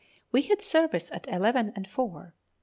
We had service at eleven and four.